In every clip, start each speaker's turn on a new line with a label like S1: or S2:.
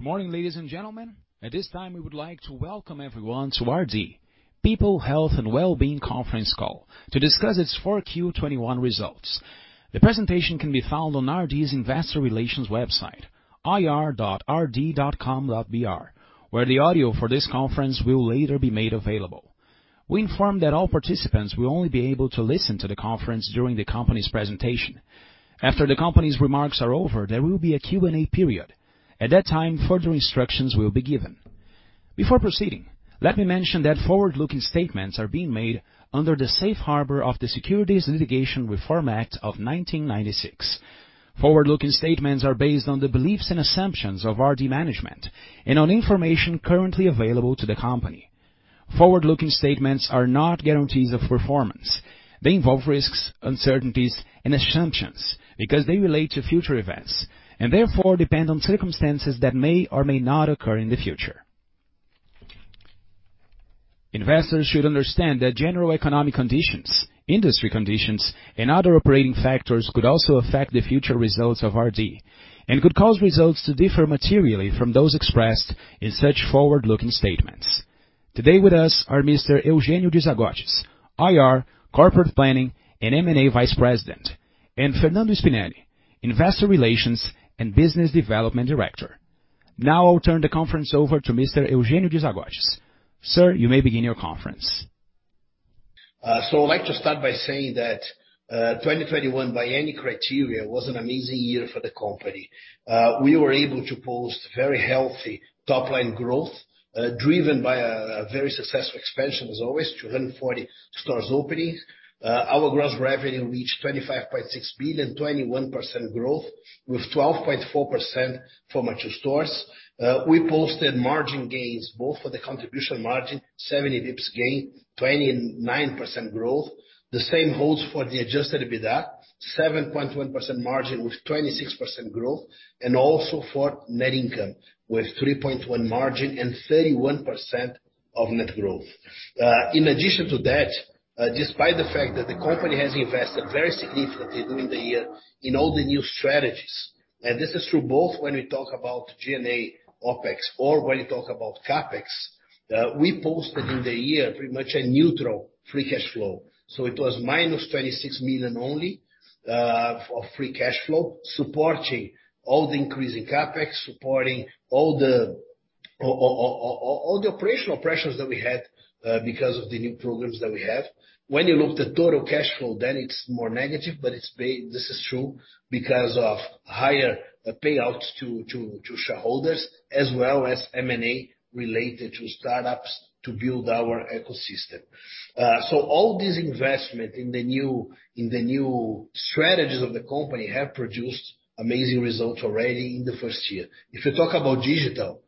S1: Morning, ladies and gentlemen. At this time, we would like to welcome everyone to RD People, Health and Wellbeing Conference Call to discuss its Q4 2021 results. The presentation can be found on RD's investor relations website, ir.rd.com.br, where the audio for this conference will later be made available. We inform that all participants will only be able to listen to the conference during the company's presentation. After the company's remarks are over, there will be a Q&A period. At that time, further instructions will be given. Before proceeding, let me mention that forward-looking statements are being made under the safe harbor of the Private Securities Litigation Reform Act of 1995. Forward-looking statements are based on the beliefs and assumptions of RD management and on information currently available to the company. Forward-looking statements are not guarantees of performance. They involve risks, uncertainties, and assumptions because they relate to future events and therefore depend on circumstances that may or may not occur in the future. Investors should understand that general economic conditions, industry conditions, and other operating factors could also affect the future results of RD and could cause results to differ materially from those expressed in such forward-looking statements. Today with us are Mr. Eugenio de Zagottis, IR, Corporate Planning, and M&A Vice President, and Fernando Spinelli, Investor Relations and Business Development Director. Now I'll turn the conference over to Mr. Eugenio de Zagottis. Sir, you may begin your conference.
S2: I'd like to start by saying that, 2021, by any criteria, was an amazing year for the company. We were able to post very healthy top-line growth, driven by a very successful expansion as always, 240 store openings. Our gross revenue reached 25.6 billion, 21% growth with 12.4% for mature stores. We posted margin gains both for the contribution margin, 70 BPS gain, 29% growth. The same holds for the adjusted EBITDA, 7.1% margin with 26% growth, and also for net income with 3.1% margin and 31% net growth. In addition to that, despite the fact that the company has invested very significantly during the year in all the new strategies, and this is through both when we talk about G&A OpEx or when we talk about CapEx, we posted in the year pretty much a neutral free cash flow. It was -26 million only of free cash flow, supporting all the increase in CapEx, supporting all the operational pressures that we had because of the new programs that we have. When you look at the total cash flow, it's more negative, but this is true because of higher payouts to shareholders as well as M&A related to startups to build our ecosystem. All this investment in the new strategies of the company have produced amazing results already in the first year. If you talk about digital,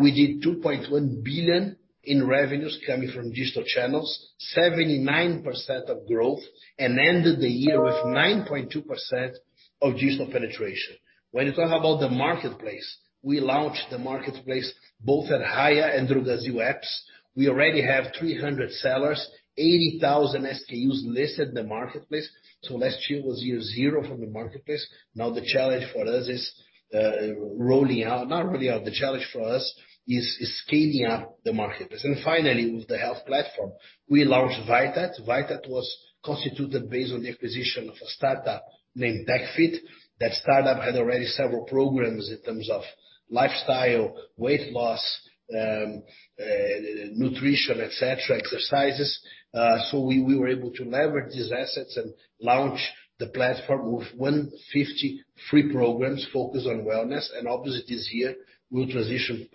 S2: we did 2.1 billion in revenues coming from digital channels, 79% of growth, and ended the year with 9.2% of digital penetration. When you talk about the marketplace, we launched the marketplace both at Raia and Drogasil apps. We already have 300 sellers, 80,000 SKUs listed in the marketplace. Last year was year zero for the marketplace. Now, the challenge for us is scaling up the marketplace. Finally, with the health platform, we launched Vitat. Vitat was constituted based on the acquisition of a startup named tech.fit. That startup had already several programs in terms of lifestyle, weight loss, nutrition, etc., exercises. We were able to leverage these assets and launch the platform with 150 free programs focused on wellness. Obviously, this year we'll transition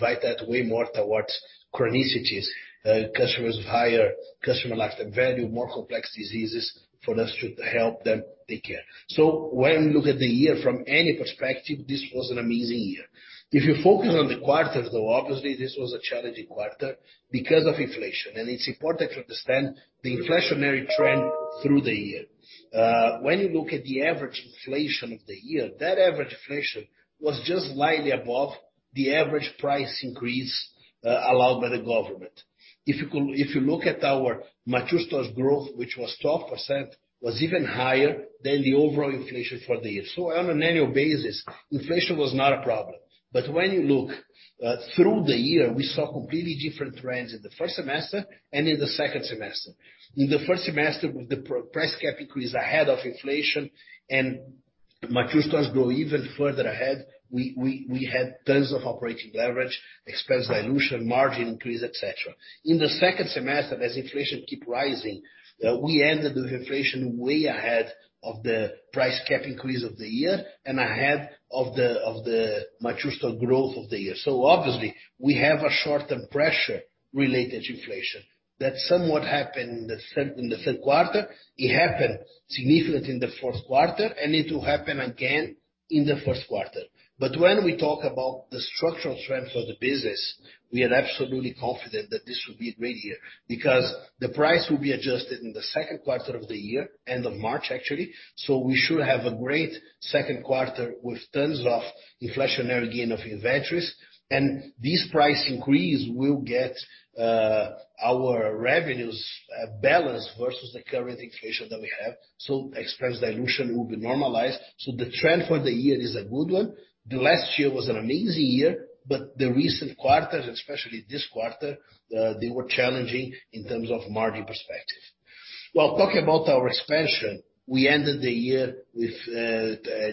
S2: Vitat way more towards chronicity, customers of higher customer lifetime value, more complex diseases for us to help them take care. When you look at the year from any perspective, this was an amazing year. If you focus on the quarters, though, obviously this was a challenging quarter because of inflation, and it's important to understand the inflationary trend through the year. When you look at the average inflation of the year, that average inflation was just slightly above the average price increase allowed by the government. If you look at our mature stores growth, which was 12%, was even higher than the overall inflation for the year. On an annual basis, inflation was not a problem. When you look through the year, we saw completely different trends in the first semester and in the second semester. In the first semester, with the pr-price cap increase ahead of inflation and mature stores grow even further ahead, we had tons of operating leverage, expense dilution, margin increase, etc. In the second semester, as inflation keep rising, we ended the inflation way ahead of the price cap increase of the year and ahead of the mature store growth of the year. Obviously we have a short-term pressure related to inflation. That somewhat happened in the Q3. It happened significantly in the Q4, and it will happen again in the Q1. When we talk about the structural strengths of the business, we are absolutely confident that this will be a great year because the price will be adjusted in the Q2 of the year, end of March, actually. We should have a great Q2 with tons of inflationary gain of inventories. This price increase will get our revenues balanced versus the current inflation that we have. Expense dilution will be normalized. The trend for the year is a good one. The last year was an amazing year, but the recent quarters, especially this quarter, they were challenging in terms of margin perspective. While talking about our expansion, we ended the year with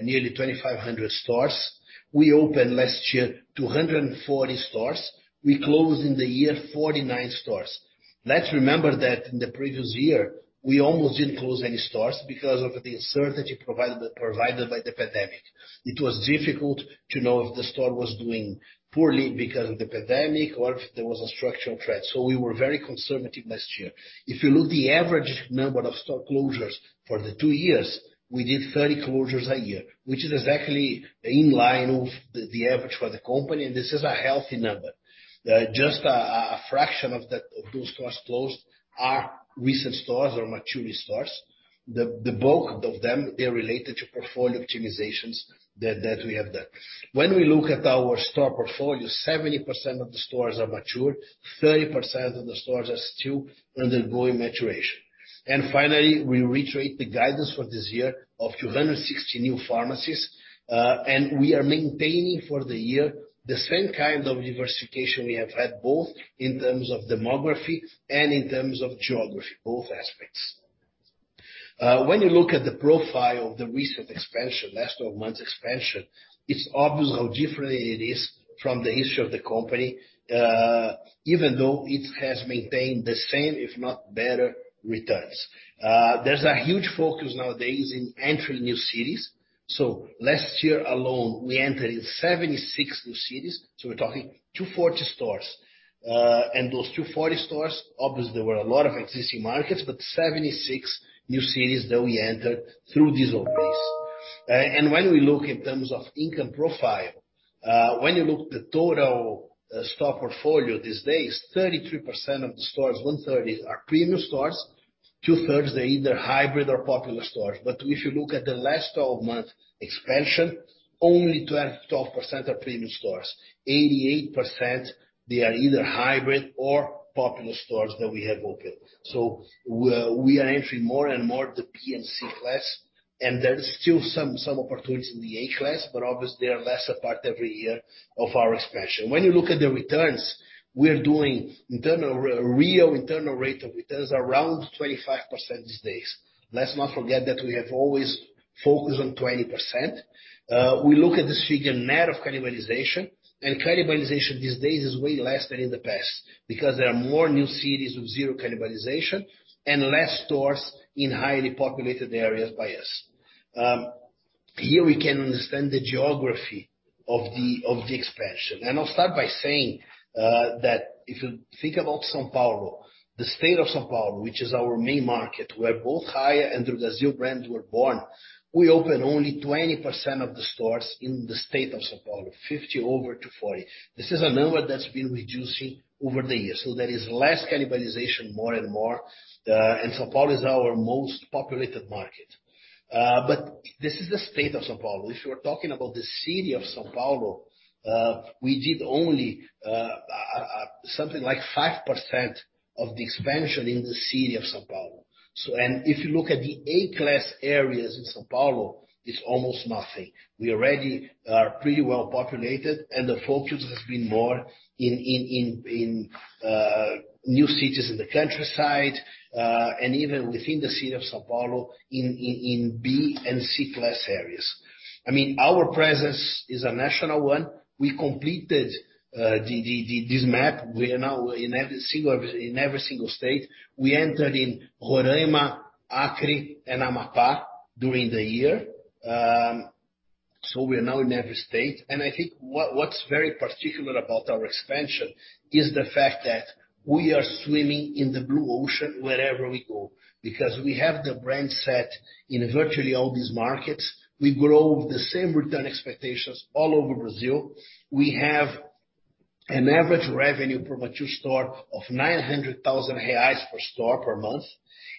S2: nearly 2,500 stores. We opened last year 240 stores. We closed in the year 49 stores. Let's remember that in the previous year, we almost didn't close any stores because of the uncertainty provided by the pandemic. It was difficult to know if the store was doing poorly because of the pandemic or if there was a structural threat. We were very conservative last year. If you look at the average number of store closures for the two years, we did 30 closures a year, which is exactly in line with the average for the company, and this is a healthy number. Just a fraction of that, of those stores closed are recent stores or mature stores. The bulk of them are related to portfolio optimizations that we have done. When we look at our store portfolio, 70% of the stores are mature, 30% of the stores are still undergoing maturation. Finally, we reiterate the guidance for this year of 260 new pharmacies. We are maintaining for the year the same kind of diversification we have had, both in terms of demography and in terms of geography, both aspects. When you look at the profile of the recent expansion, last 12 months expansion, it's obvious how different it is from the history of the company, even though it has maintained the same, if not better returns. There's a huge focus nowadays in entering new cities. Last year alone, we entered in 76 new cities, so we're talking 240 stores. Those 240 stores, obviously there were a lot of existing markets, but 76 new cities that we entered through these openings. When we look in terms of income profile, when you look at the total store portfolio these days, 33% of the stores, 1/3 are premium stores, 2/3 are either hybrid or popular stores. If you look at the last 12-month expansion, only 12% are premium stores. 88%, they are either hybrid or popular stores that we have opened. We are entering more and more the B and C class, and there is still some opportunities in the A class, but obviously they are lesser part every year of our expansion. When you look at the returns we're doing real internal rate of returns around 25% these days. Let's not forget that we have always focused on 20%. We look at this figure net of cannibalization, and cannibalization these days is way less than in the past because there are more new cities with zero cannibalization and less stores in highly populated areas by us. Here we can understand the geography of the expansion. I'll start by saying that if you think about São Paulo, the state of São Paulo, which is our main market, where both Raia and Drogasil brands were born, we opened only 20% of the stores in the state of São Paulo, 50 over 240. This is a number that's been reducing over the years, so there is less cannibalization more and more. São Paulo is our most populated market. This is the state of São Paulo. If you are talking about the city of São Paulo, we did only something like 5% of the expansion in the city of São Paulo. If you look at the A class areas in São Paulo, it's almost nothing. We already are pretty well populated and the focus has been more in new cities in the countryside, and even within the city of São Paulo in B and C class areas. I mean, our presence is a national one. We completed this map. We are now in every single state. We entered in Roraima, Acre and Amapá during the year. We are now in every state. I think what's very particular about our expansion is the fact that we are swimming in the blue ocean wherever we go because we have the brand set in virtually all these markets. We grow the same return expectations all over Brazil. We have an average revenue per mature store of 900,000 reais per store per month.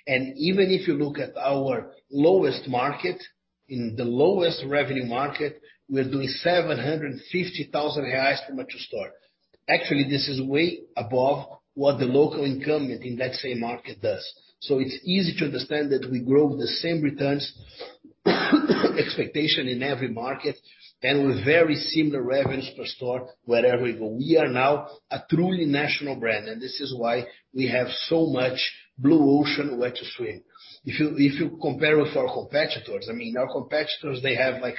S2: Even if you look at our lowest market, in the lowest revenue market, we're doing 750,000 reais per mature store. Actually, this is way above what the local incumbent in that same market does. It's easy to understand that we grow the same returns expectation in every market and with very similar revenues per store wherever we go. We are now a truly national brand, and this is why we have so much blue ocean where to swim. If you compare with our competitors, I mean, our competitors, they have like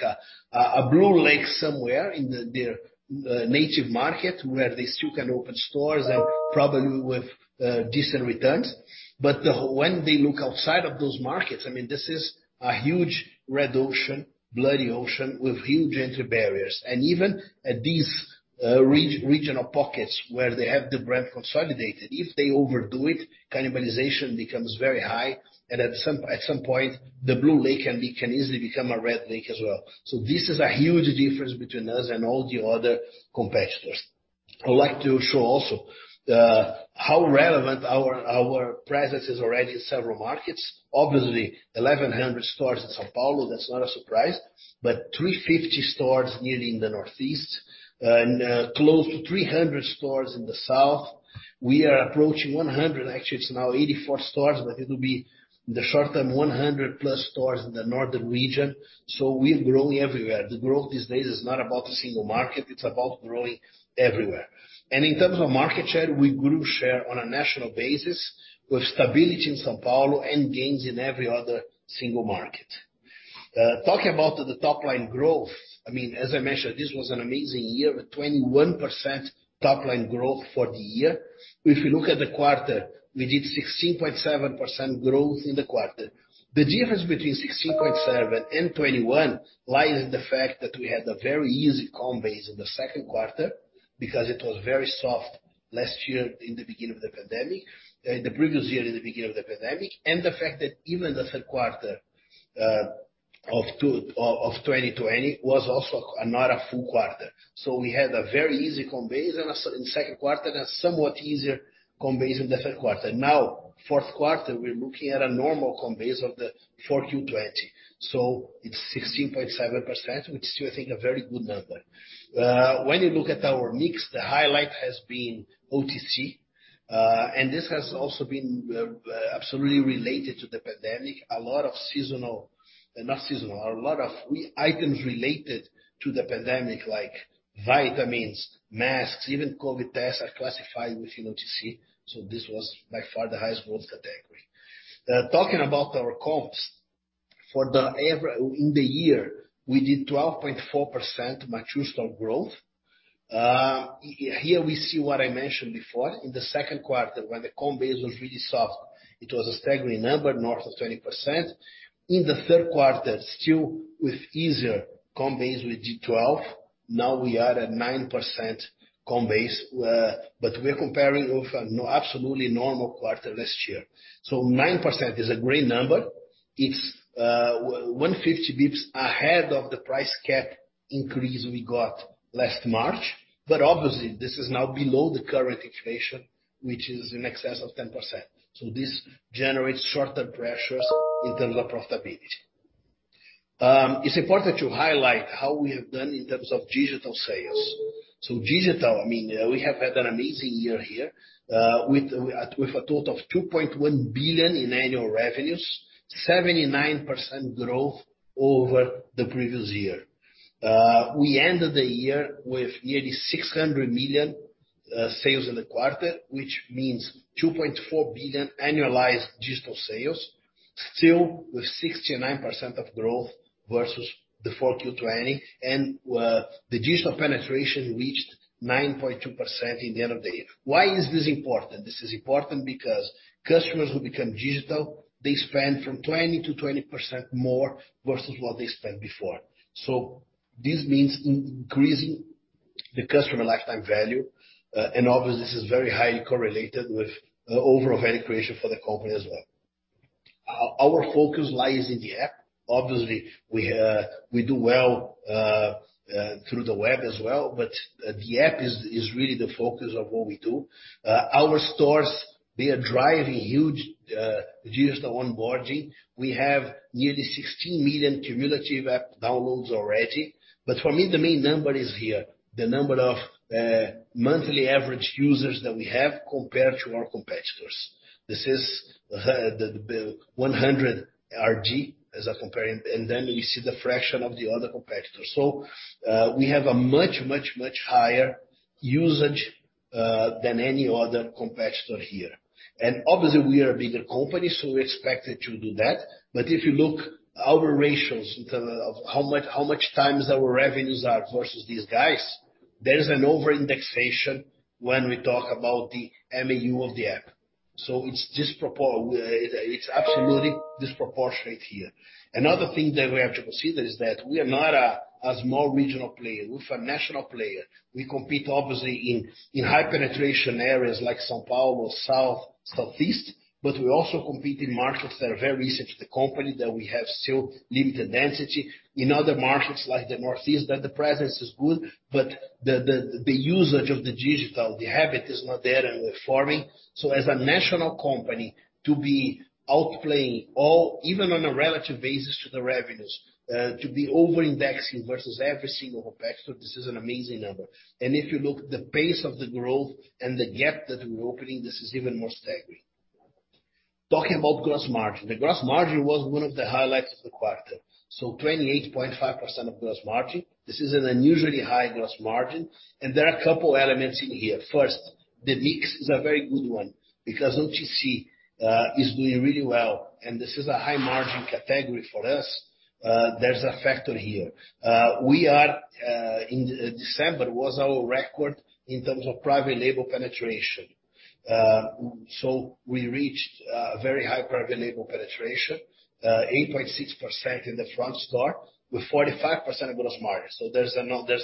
S2: a blue ocean somewhere in their native market where they still can open stores and probably with decent returns. When they look outside of those markets, I mean, this is a huge red ocean, bloody ocean with huge entry barriers. Even at these regional pockets where they have the brand consolidated, if they overdo it, cannibalization becomes very high. At some point, the blue ocean can easily become a red ocean as well. This is a huge difference between us and all the other competitors. I'd like to show also how relevant our presence is already in several markets. Obviously, 1,100 stores in São Paulo, that's not a surprise, but 350 stores nearly in the northeast, and close to 300 stores in the south. We are approaching 100, actually it's now 84 stores, but it will be in the short term, 100+ stores in the northern region. We're growing everywhere. The growth these days is not about a single market, it's about growing everywhere. In terms of market share, we grew share on a national basis with stability in São Paulo and gains in every other single market. Talking about the top line growth, I mean, as I mentioned, this was an amazing year, with 21% top line growth for the year. If you look at the quarter, we did 16.7% growth in the quarter. The difference between 16.7% and 21% lies in the fact that we had a very easy comp base in the Q2 because it was very soft last year in the beginning of the pandemic, the previous year in the beginning of the pandemic, and the fact that even the Q3 of 2020 was also not a full quarter. We had a very easy comp base in the Q2 and a somewhat easier comp base in the Q3. Now, Q4, we're looking at a normal comp base of the Q4 2020, so it's 16.7%, which is still, I think, a very good number. When you look at our mix, the highlight has been OTC, and this has also been absolutely related to the pandemic. A lot of seasonal, not seasonal, a lot of items related to the pandemic like vitamins, masks, even COVID tests are classified within OTC, so this was by far the highest growth category. Talking about our comps, for the year, we did 12.4% mature store growth. Here we see what I mentioned before. In the Q2 when the comp base was really soft, it was a staggering number, north of 20%. In the Q3, still with easier comp base, we did 12. Now we are at 9% comp base, but we're comparing with an absolutely normal quarter last year. Nine percent is a great number. It's 150 BPS ahead of the price cap increase we got last March. Obviously this is now below the current inflation, which is in excess of 10%. This generates short-term pressures in terms of profitability. It's important to highlight how we have done in terms of digital sales. Digital, I mean, we have had an amazing year here, with a total of 2.1 billion in annual revenues, 79% growth over the previous year. We ended the year with nearly 600 million sales in the quarter, which means 2.4 billion annualized digital sales, still with 69% of growth versus Q4 2020. The digital penetration reached 9.2% in the end of the year. Why is this important? This is important because customers who become digital, they spend from 20%-20% more versus what they spent before. This means increasing the customer lifetime value. Obviously this is very highly correlated with overall value creation for the company as well. Our focus lies in the app. Obviously, we do well through the web as well, but the app is really the focus of what we do. Our stores, they are driving huge digital onboarding. We have nearly 16 million cumulative app downloads already. For me, the main number is here, the number of monthly average users that we have compared to our competitors. This is the 100 RD as a comparator, and then you see the fraction of the other competitors. We have a much higher usage than any other competitor here. Obviously we are a bigger company, so we're expected to do that. If you look at our ratios in terms of how many times our revenues are versus these guys, there is an over-indexation when we talk about the MAU of the app. It's absolutely disproportionate here. Another thing that we have to consider is that we are not a small regional player. We're a national player. We compete obviously in high penetration areas like São Paulo, South, Southeast, but we also compete in markets that are very recent to the company, that we have still limited density. In other markets like the Northeast, the presence is good, but the usage of the digital, the habit is not there and we're forming. As a national company, to be outplaying all, even on a relative basis to the revenues, to be overindexing versus every single competitor, this is an amazing number. If you look the pace of the growth and the gap that we're opening, this is even more staggering. Talking about gross margin. The gross margin was one of the highlights of the quarter, 28.5% gross margin. This is an unusually high gross margin, and there are a couple elements in here. First, the mix is a very good one because OTC is doing really well, and this is a high margin category for us. There's a factor here. We are, in December was our record in terms of private label penetration. We reached a very high private label penetration, 8.6% in the front store with 45% gross margin. There's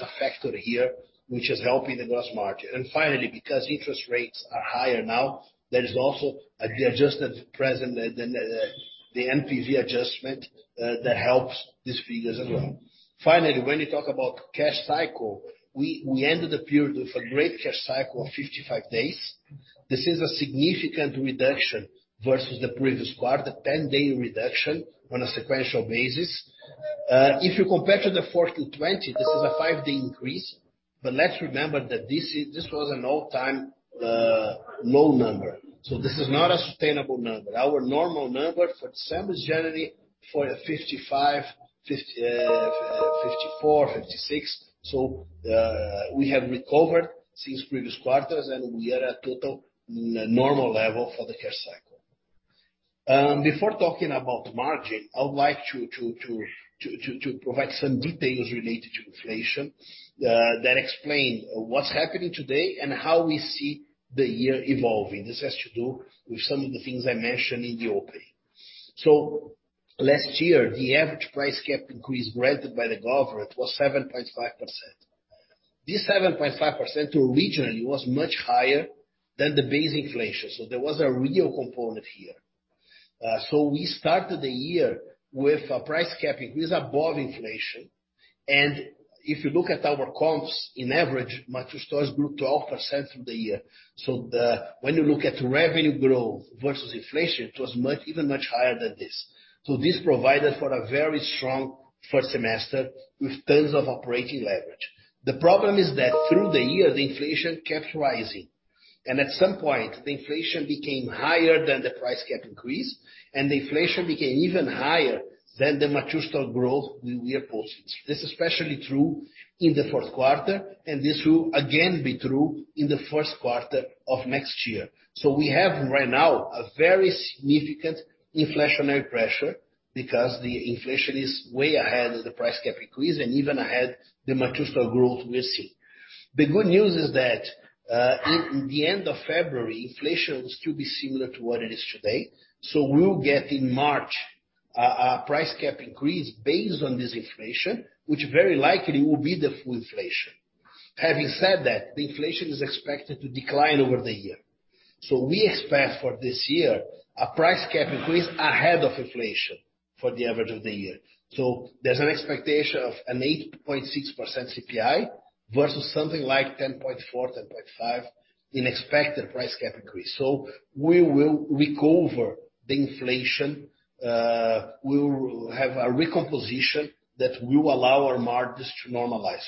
S2: a factor here which is helping the gross margin. Finally, because interest rates are higher now, there is also the present value adjustment, the NPV adjustment, that helps these figures as well. Finally, when we talk about cash cycle, we ended the period with a great cash cycle of 55 days. This is a significant reduction versus the previous quarter, 10-day reduction on a sequential basis. If you compare to the 2020, this is a five-day increase. Let's remember that this was an all-time low number. This is not a sustainable number. Our normal number for December is generally for a 55, 50, 54, 56. We have recovered since previous quarters, and we are at total normal level for the cash cycle. Before talking about margin, I would like to provide some details related to inflation that explain what's happening today and how we see the year evolving. This has to do with some of the things I mentioned in the opening. Last year, the average price cap increase granted by the government was 7.5%. This 7.5% originally was much higher than the base inflation, so there was a real component here. We started the year with a price cap increase above inflation. If you look at our comps, in average, mature stores grew 12% through the year. When you look at revenue growth versus inflation, it was much higher than this. This provided for a very strong first semester with tons of operating leverage. The problem is that through the year, the inflation kept rising, and at some point the inflation became higher than the price cap increase and the inflation became even higher than the mature store growth we are posting. This is especially true in the Q4, and this will again be true in the Q1 of next year. We have right now a very significant inflationary pressure because the inflation is way ahead of the price cap increase and even ahead the mature store growth we're seeing. The good news is that in the end of February, inflation will still be similar to what it is today. We'll get in March a price cap increase based on this inflation, which very likely will be the full inflation. Having said that, the inflation is expected to decline over the year. We expect for this year a price cap increase ahead of inflation for the average of the year. There's an expectation of an 8.6% CPI versus something like 10.4%, 10.5% expected price cap increase. We will recover the inflation, we will have a re-composition that will allow our margins to normalize.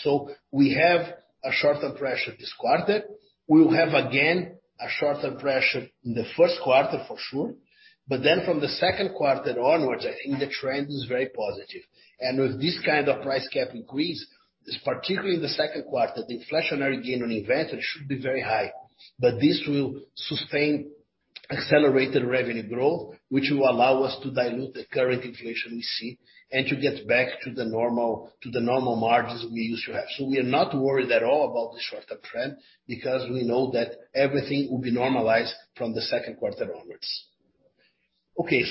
S2: We have a sharper pressure this quarter. We will have again a sharper pressure in the Q1 for sure. Then from the Q2 onwards, I think the trend is very positive. With this kind of price cap increase, particularly in the Q2, the inflationary gain on inventory should be very high. This will sustain accelerated revenue growth, which will allow us to dilute the current inflation we see and to get back to the normal margins we used to have. We are not worried at all about the shorter trend because we know that everything will be normalized from the Q2 onwards. Okay,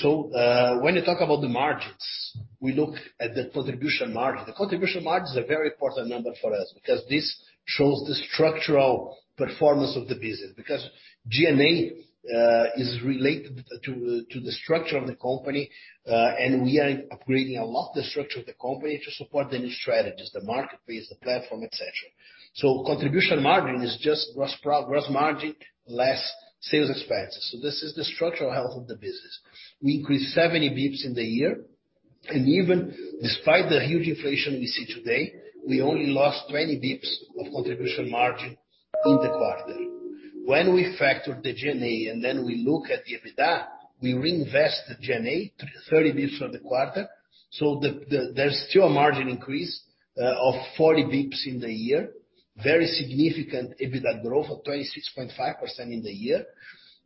S2: when you talk about the margins, we look at the contribution margin. The contribution margin is a very important number for us because this shows the structural performance of the business, because G&A is related to the structure of the company. We are upgrading a lot the structure of the company to support the new strategies, the marketplace, the platform, et cetera. Contribution margin is just gross margin less sales expenses. This is the structural health of the business. We increased 70 bps in the year and even despite the huge inflation we see today, we only lost 20 bps of contribution margin in the quarter. When we factor the G&A and then we look at the EBITDA, we reinvest the G&A 30 bps for the quarter. There's still a margin increase of 40 bps in the year. Very significant EBITDA growth of 26.5% in the year.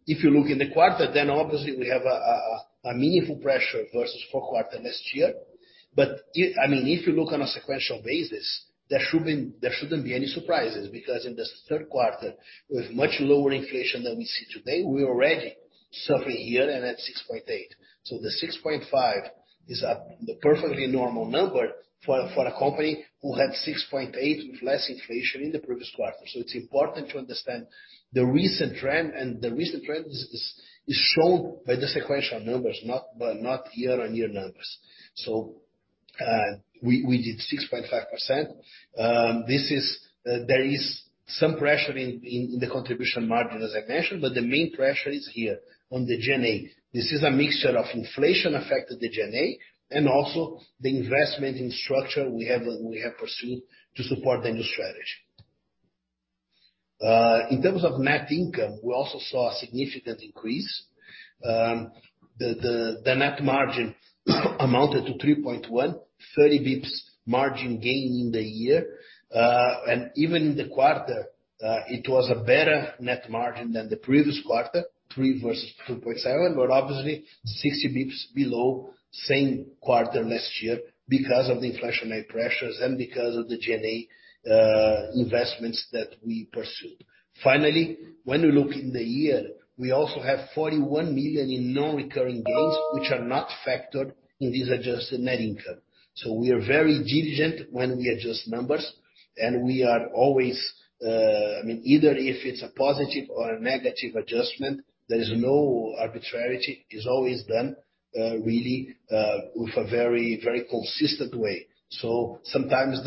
S2: If you look in the quarter, obviously we have a meaningful pressure versus Q4 last year. I mean, if you look on a sequential basis, there shouldn't be any surprises because in the Q3 with much lower inflation than we see today, we're already suffering here and at 6.8. So the 6.5 is the perfectly normal number for a company who had 6.8 with less inflation in the previous quarter. It's important to understand the recent trend, and the recent trend is shown by the sequential numbers, not by year-on-year numbers. We did 6.5%. This is. There is some pressure in the contribution margin as I mentioned, but the main pressure is here on the G&A. This is a mixture of inflation affected the G&A and also the investment in infrastructure we have pursued to support the new strategy. In terms of net income, we also saw a significant increase. The net margin amounted to 3.1%, 30 bps margin gain in the year. Even in the quarter, it was a better net margin than the previous quarter, 3% versus 2.7%, but obviously 60 bps below same quarter last year because of the inflationary pressures and because of the G&A investments that we pursued. Finally, when you look in the year, we also have 41 million in non-recurring gains, which are not factored in this adjusted net income. We are very diligent when we adjust numbers and we are always, I mean, either if it's a positive or a negative adjustment, there is no arbitrariness. It's always done, really, with a very, very consistent way. Sometimes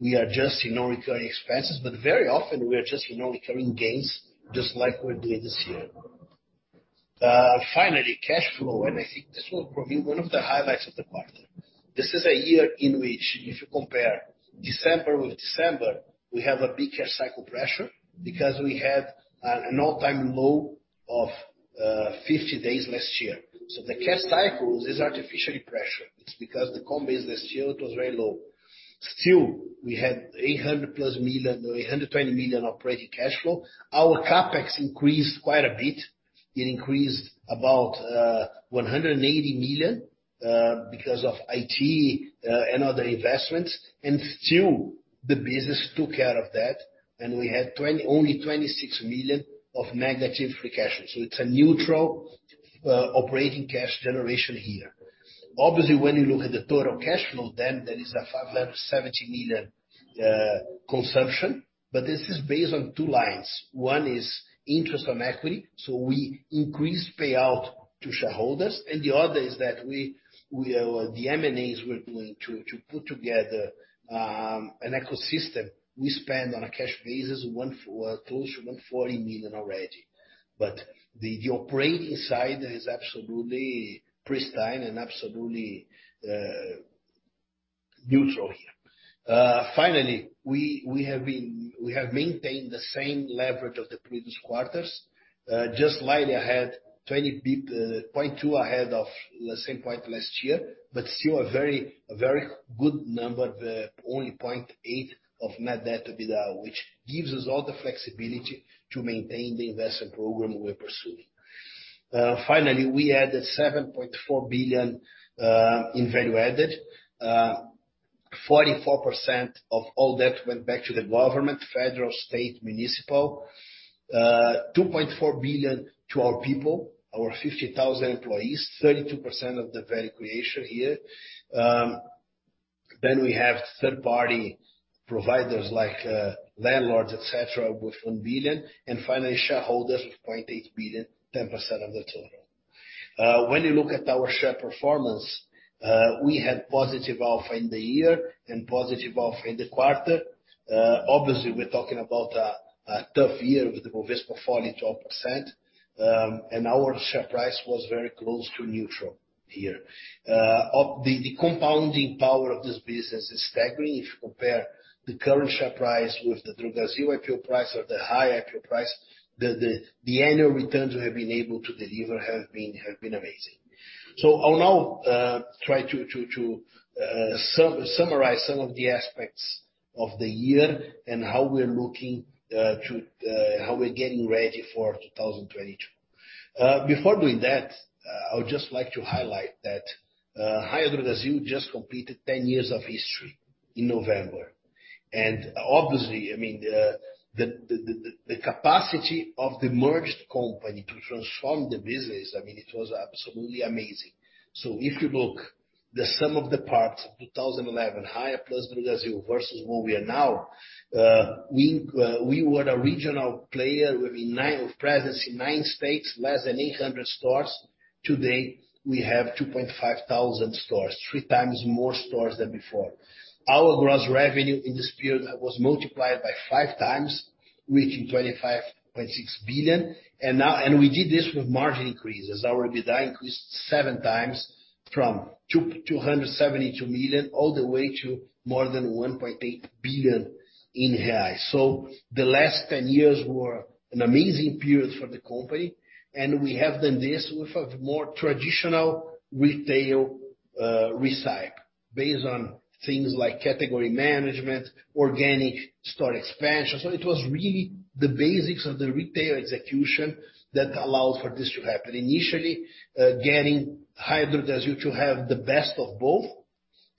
S2: we are adjusting non-recurring expenses, but very often we are adjusting non-recurring gains just like we're doing this year. Finally, cash flow, and I think this will probably be one of the highlights of the quarter. This is a year in which if you compare December with December, we have a big cash cycle pressure because we had an all-time low of 50 days last year. The cash cycle is artificially pressured. It's because the core business yield was very low. Still, we had 800+ million, 820 million operating cash flow. Our CapEx increased quite a bit. It increased about 180 million because of IT and other investments, and still the business took care of that and we had only 26 million of negative free cash flow. It's a neutral operating cash generation here. Obviously, when you look at the total cash flow, then there is a 570 million consumption, but this is based on two lines. One is interest on equity, so we increase payout to shareholders and the other is that the M&As we're doing to put together an ecosystem. We spend on a cash basis close to 140 million already. The operating side is absolutely pristine and absolutely neutral here. Finally, we have maintained the same leverage of the previous quarters. Just slightly ahead, 20 basis points, 0.2 ahead of the same point last year, but still a very good number of only 0.8 net debt EBITDA, which gives us all the flexibility to maintain the investment program we're pursuing. Finally, we added 7.4 billion in value added. 44% of all that went back to the government, federal, state, municipal. 2.4 billion to our people, our 50,000 employees, 32% of the value creation here. Then we have third-party providers like landlords, et cetera, with 1 billion, and finally shareholders with 0.8 billion, 10% of the total. When you look at our share performance, we had positive alpha in the year and positive alpha in the quarter. Obviously, we're talking about a tough year with the Bovespa falling 12%, and our share price was very close to neutral here. The compounding power of this business is staggering if you compare the current share price with the Drogasil IPO price or the Raia IPO price. The annual returns we have been able to deliver have been amazing. I'll now try to summarize some of the aspects of the year and how we're getting ready for 2022. Before doing that, I would just like to highlight that Raia Drogasil just completed 10 years of history in November. Obviously, I mean, the capacity of the merged company to transform the business, I mean, it was absolutely amazing. If you look at the sum of the parts, 2011, Raia plus Drogasil versus where we are now, we were a regional player with a nine-state presence in nine states, less than 800 stores. Today, we have 2,500 stores, three times more stores than before. Our gross revenue in this period was multiplied by 5x, reaching 25.6 billion. We did this with margin increases. Our EBITDA increased 7x from 227 million all the way to more than 1.8 billion in Raia. The last 10 years were an amazing period for the company, and we have done this with a more traditional retail model based on things like category management, organic store expansion. It was really the basics of the retail execution that allowed for this to happen. Initially, getting Raia Drogasil to have the best of both,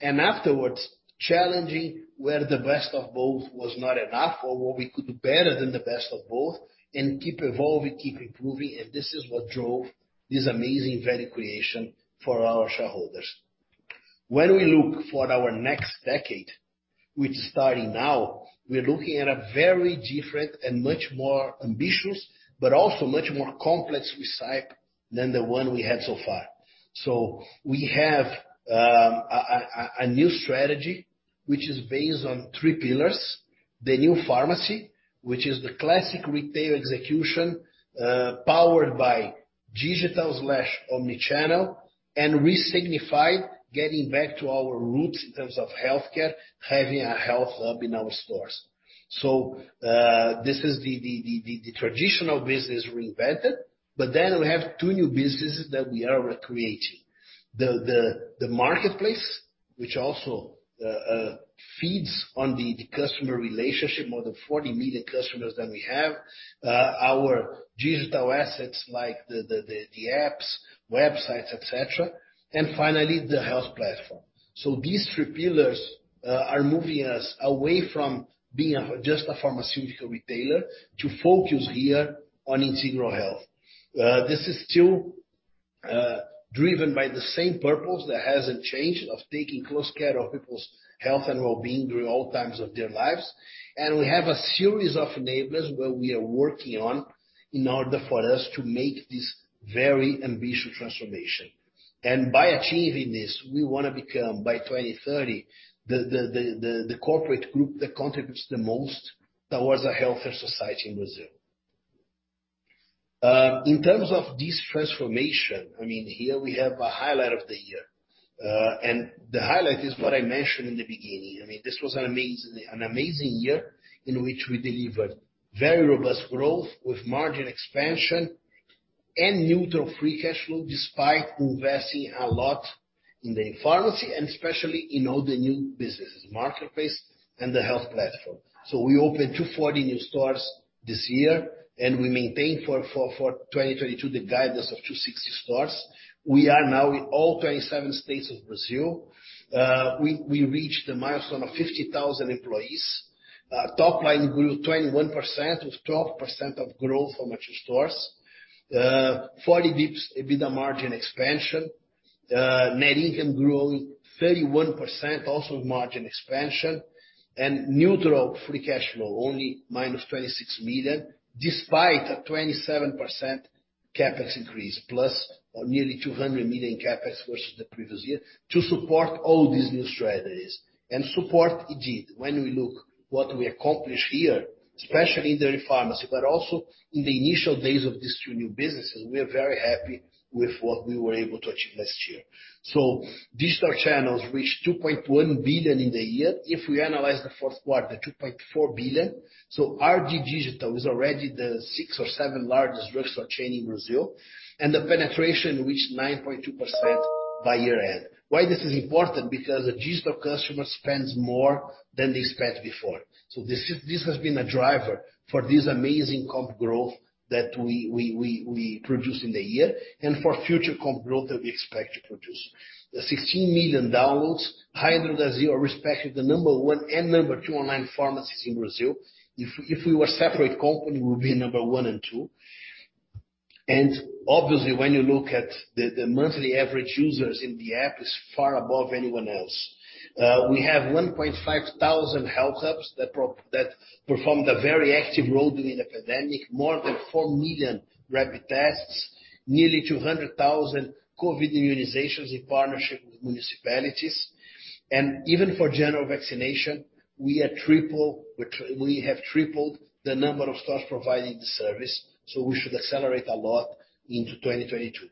S2: and afterwards challenging where the best of both was not enough or what we could do better than the best of both and keep evolving, keep improving, and this is what drove this amazing value creation for our shareholders. When we look to our next decade, which is starting now, we're looking at a very different and much more ambitious, but also much more complex cycle than the one we had so far. We have a new strategy which is based on three pillars. The new pharmacy, which is the classic retail execution, powered by digital/omnichannel and re-signified getting back to our roots in terms of healthcare, having a health hub in our stores. This is the traditional business reinvented, but then we have two new businesses that we are creating. The marketplace, which also feeds on the customer relationship, more than 40 million customers that we have, our digital assets like the apps, websites, et cetera, and finally, the health platform. These three pillars are moving us away from being just a pharmaceutical retailer to focus here on integral health. This is still driven by the same purpose that hasn't changed of taking close care of people's health and well-being during all times of their lives. We have a series of enablers where we are working on in order for us to make this very ambitious transformation. By achieving this, we wanna become, by 2030, the corporate group that contributes the most towards a healthier society in Brazil. In terms of this transformation, I mean, here we have a highlight of the year. The highlight is what I mentioned in the beginning. I mean, this was an amazing year in which we delivered very robust growth with margin expansion and neutral free cash flow, despite investing a lot in the pharmacy, and especially in all the new businesses, marketplace and the health platform. We opened 240 new stores this year, and we maintained for 2022 the guidance of 260 stores. We are now in all 27 states of Brazil. We reached a milestone of 50,000 employees. Top line grew 21% with 12% of growth from mature stores. 40 bps EBITDA margin expansion. Net income grew 31%, also with margin expansion. Neutral free cash flow, only minus 26 million, despite a 27% CapEx increase, plus nearly 200 million CapEx versus the previous year to support all these new strategies and support indeed. When we look what we accomplished here, especially in the pharmacy, but also in the initial days of these two new businesses, we are very happy with what we were able to achieve last year. Digital channels reached 2.1 billion in the year. If we analyze the Q4, 2.4 billion. RD Digital is already the sixth or seventh largest drugstore chain in Brazil, and the penetration reached 9.2% by year-end. Why is this important? Because a digital customer spends more than they spent before. This has been a driver for this amazing comp growth that we produced in the year and for future comp growth that we expect to produce. The 16 million downloads. Raia and Drogasil are respectively the number one and number two online pharmacies in Brazil. If we were a separate company, we would be number one and two. Obviously, when you look at the monthly average users in the app is far above anyone else. We have 1,500 health hubs that performed a very active role during the pandemic. More than 4 million rapid tests, nearly 200,000 COVID immunizations in partnership with municipalities. Even for general vaccination, we have tripled the number of stores providing the service, so we should accelerate a lot into 2022.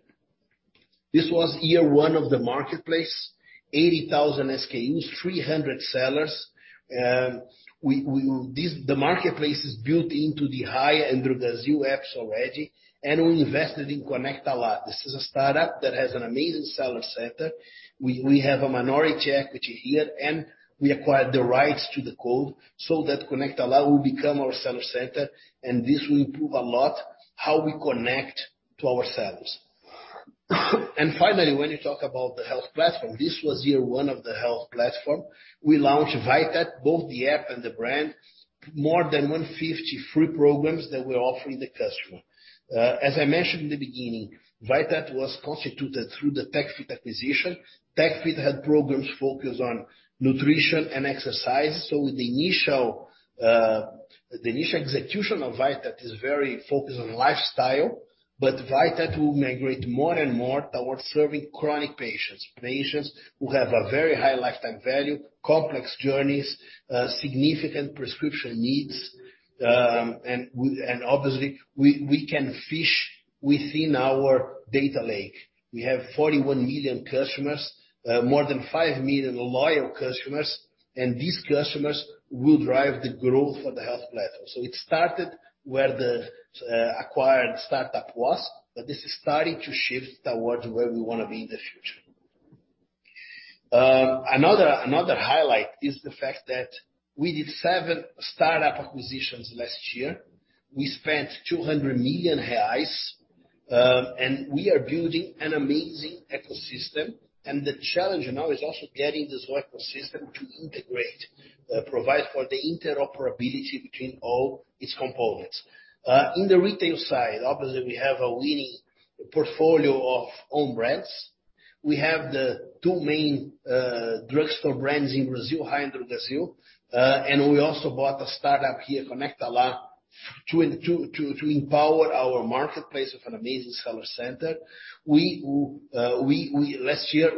S2: This was year one of the marketplace, 80,000 SKUs, 300 sellers. The marketplace is built into the Raia and Drogasil apps already, and we invested in Conecta Lá. This is a startup that has an amazing seller center. We have a minority equity here, and we acquired the rights to the code so that Conecta Lá will become our seller center, and this will improve a lot how we connect to our sellers. Finally, when you talk about the health platform, this was year one of the health platform. We launched Vitat, both the app and the brand, more than 150 free programs that we're offering the customer. As I mentioned in the beginning, Vitat was constituted through the tech.fit acquisition. Tech.fit had programs focused on nutrition and exercise. The initial execution of Vitat is very focused on lifestyle, but Vitat will migrate more and more towards serving chronic patients who have a very high lifetime value, complex journeys, significant prescription needs. Obviously, we can fish within our data lake. We have 41 million customers, more than five million loyal customers, and these customers will drive the growth of the health platform. It started where the acquired startup was, but this is starting to shift towards where we wanna be in the future. Another highlight is the fact that we did 7 startup acquisitions last year. We spent 200 million reais, and we are building an amazing ecosystem. The challenge now is also getting this ecosystem to integrate, provide for the interoperability between all its components. In the retail side, obviously, we have a winning portfolio of own brands. We have the two main drugstore brands in Brazil, Raia and Drogasil. We also bought a startup here, Conecta Lá, to empower our marketplace with an amazing seller center. Last year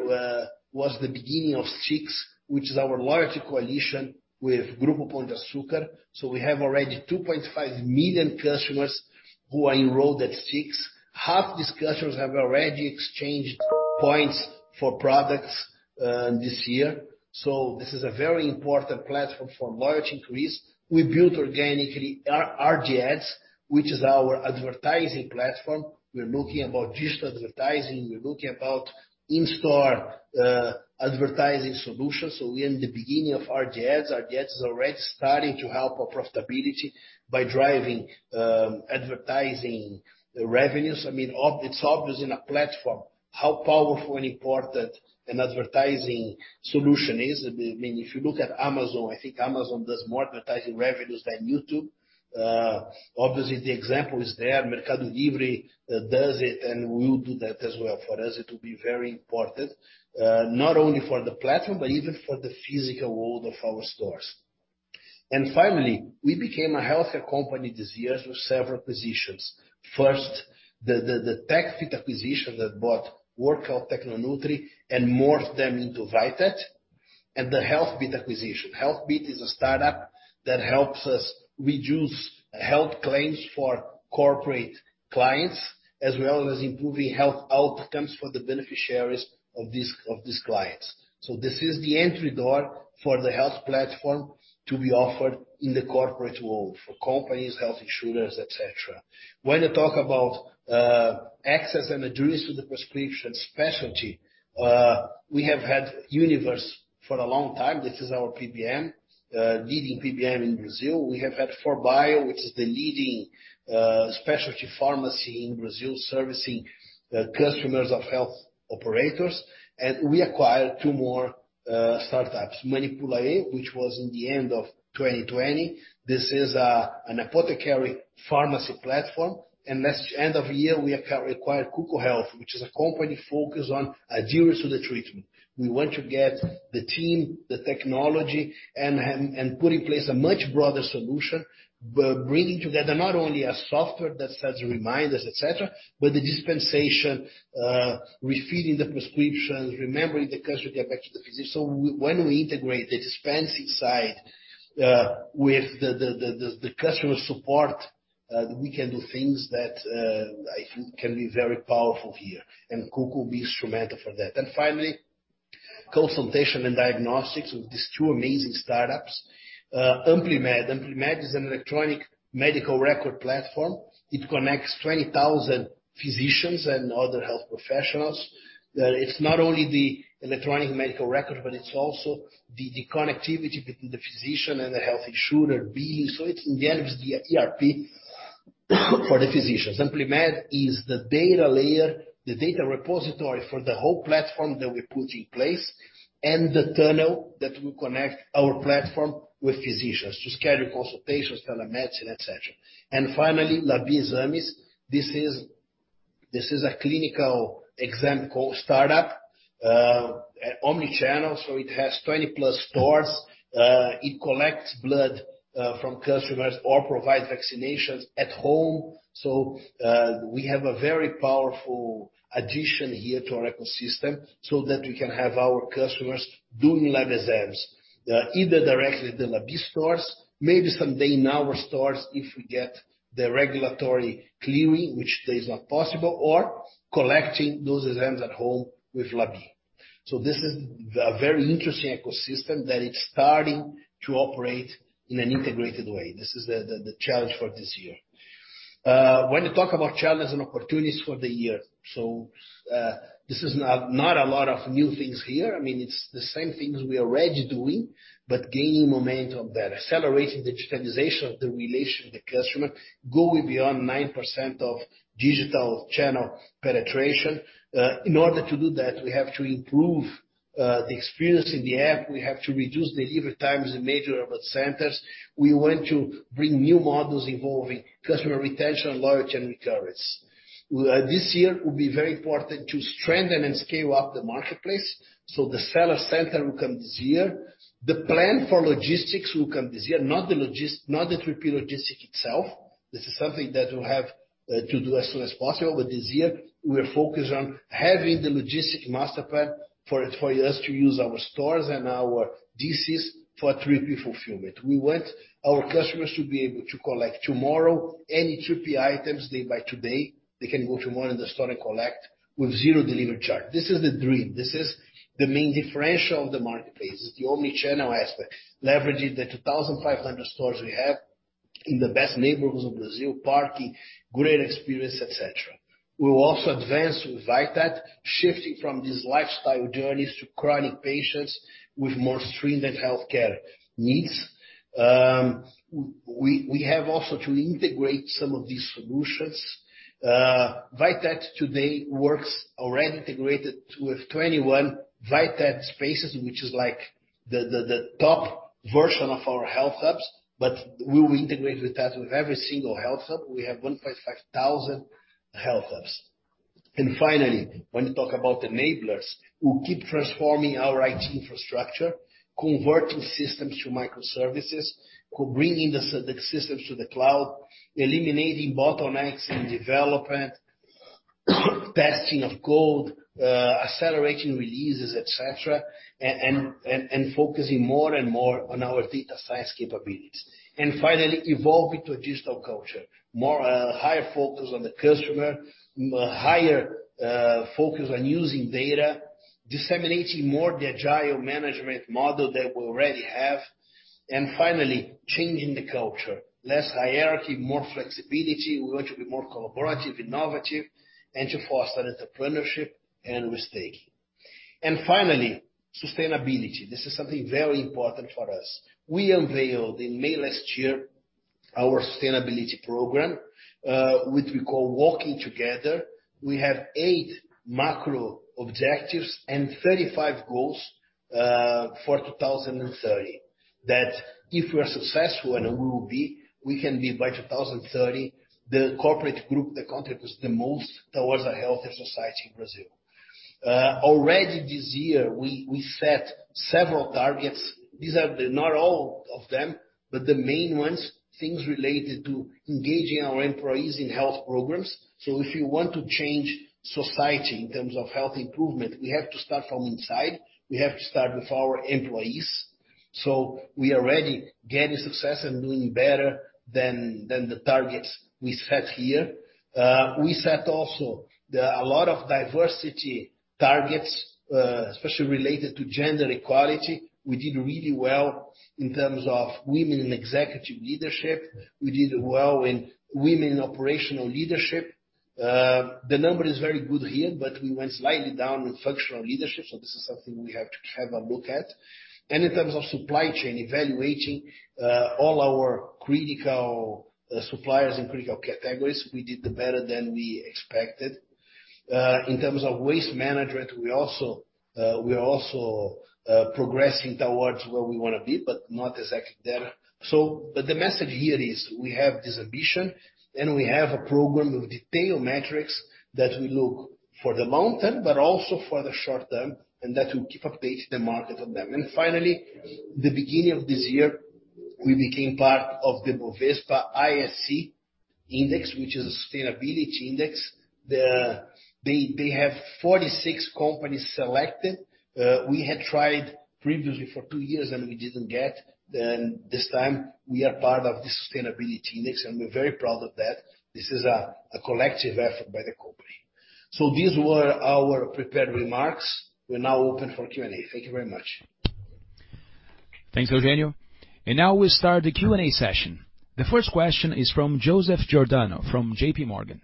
S2: was the beginning of Stix, which is our loyalty coalition with Grupo Pão de Açúcar. We have already 2.5 million customers who are enrolled at Stix. Half these customers have already exchanged points for products this year. This is a very important platform for loyalty increase. We built organically our RD Ads, which is our advertising platform. We're looking about digital advertising. We're looking about in-store advertising solutions. We're in the beginning of RD Ads. RD Ads is already starting to help our profitability by driving advertising revenues. I mean, it's obvious in a platform how powerful and important an advertising solution is. I mean, if you look at Amazon, I think Amazon does more advertising revenues than YouTube. Obviously, the example is there. Mercado Livre does it, and we will do that as well. For us, it will be very important, not only for the platform, but even for the physical world of our stores. Finally, we became a healthcare company this year through several acquisitions. First, the tech.fit acquisition that bought Workout, Tecnonutri and morphed them into Vitat, and the Healthbit acquisition. Healthbit is a startup that helps us reduce health claims for corporate clients, as well as improving health outcomes for the beneficiaries of these clients. This is the entry door for the health platform to be offered in the corporate world for companies, health insurers, et cetera. When you talk about access and adherence to the prescription specialty, we have had Univers for a long time. This is our PBM, leading PBM in Brazil. We have had 4Bio, which is the leading specialty pharmacy in Brazil, servicing customers of health operators. We acquired two more startups. Manipulaê, which was in the end of 2020. This is an apothecary pharmacy platform. Last year end, we acquired Cuco Health, which is a company focused on adherence to the treatment. We want to get the team, the technology and put in place a much broader solution by bringing together not only a software that sets reminders, et cetera, but the dispensation, refilling the prescriptions, reminding the customer back to the physician. When we integrate the dispensing side with the customer support, we can do things that I think can be very powerful here, and Cuco will be instrumental for that. Finally, consultation and diagnostics with these two amazing startups. Amplimed is an electronic medical record platform. It connects 20,000 physicians and other health professionals. It's not only the electronic medical record, but it's also the connectivity between the physician and the health insurer being. It's in the end of the ERP for the physicians. Amplimed is the data layer, the data repository for the whole platform that we put in place and the tunnel that will connect our platform with physicians to schedule consultations, telemedicine, et cetera. Finally, Labi Exames. This is a clinical exam startup, omni-channel, so it has 20-plus stores. It collects blood from customers or provides vaccinations at home. We have a very powerful addition here to our ecosystem so that we can have our customers doing Labi Exames either directly at the Labi stores, maybe someday in our stores if we get the regulatory clearing, which today is not possible, or collecting those exams at home with Labi. This is a very interesting ecosystem that is starting to operate in an integrated way. This is the challenge for this year when you talk about challenges and opportunities for the year. This is not a lot of new things here. I mean, it's the same things we are already doing, but gaining momentum there. Accelerating the digitization of the relation with the customer, going beyond 9% of digital channel penetration. In order to do that, we have to improve the experience in the app. We have to reduce delivery times in major urban centers. We want to bring new models involving customer retention, loyalty and recurrence. This year will be very important to strengthen and scale up the marketplace, so the seller center will come this year. The plan for logistics will come this year, not the 3PL itself. This is something that we'll have to do as soon as possible. This year we are focused on having the logistic master plan for us to use our stores and our DCs for 3P fulfillment. We want our customers to be able to collect tomorrow any 3P items they buy today. They can go tomorrow in the store and collect with 0 delivery charge. This is the dream. This is the main differential of the marketplace, is the omni-channel aspect, leveraging the 2,500 stores we have in the best neighborhoods of Brazil, parking, great experience, etc. We will also advance with Vitat, shifting from these lifestyle journeys to chronic patients with more stringent healthcare needs. We have also to integrate some of these solutions. Vitat today works already integrated with 21 Vitat spaces, which is like the top version of our health hubs. We will integrate that with every single health hub. We have 1,500 health hubs. Finally, when you talk about enablers, we'll keep transforming our IT infrastructure, converting systems to microservices, bringing the systems to the cloud, eliminating bottlenecks in development, testing of code, accelerating releases, et cetera, and focusing more and more on our data science capabilities. Finally, evolving to a digital culture. More higher focus on the customer, higher focus on using data, disseminating more the agile management model that we already have. Finally, changing the culture. Less hierarchy, more flexibility. We want to be more collaborative, innovative, and to foster entrepreneurship and risk-taking. Finally, sustainability. This is something very important for us. We unveiled in May last year our sustainability program, which we call Walking Together. We have eight macro objectives and 35 goals for 2030, that if we are successful and we will be, we can be by 2030, the corporate group that contributes the most towards a healthier society in Brazil. Already this year, we set several targets. These are not all of them, but the main ones, things related to engaging our employees in health programs. If you want to change society in terms of health improvement, we have to start from inside. We have to start with our employees. We are already getting success and doing better than the targets we set here. We set also a lot of diversity targets, especially related to gender equality. We did really well in terms of women in executive leadership. We did well in women in operational leadership. The number is very good here, but we went slightly down in functional leadership, so this is something we have to have a look at. In terms of supply chain, evaluating all our critical suppliers and critical categories, we did better than we expected. In terms of waste management, we are also progressing towards where we wanna be, but not exactly there. The message here is we have this ambition, and we have a program of detailed metrics that we look for the long term, but also for the short-term, and that we keep updated the market on them. Finally, the beginning of this year, we became part of the ISE B3, which is a sustainability index. They have 46 companies selected. We had tried previously for two years, and we didn't get. This time we are part of the sustainability index, and we're very proud of that. This is a collective effort by the company. These were our prepared remarks. We're now open for Q&A. Thank you very much.
S1: Thanks, Eugenio. Now we start the Q&A session. The first question is from Joseph Giordano from J.P. Morgan.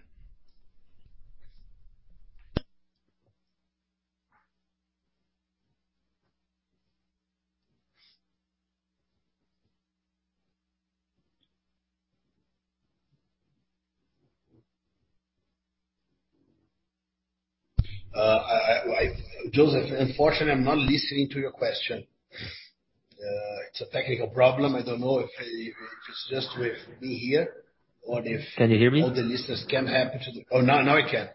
S2: Joseph, unfortunately, I'm not listening to your question. It's a technical problem. I don't know if it is just with me here or if you are able.
S3: Can you hear me?
S2: Oh, now I can.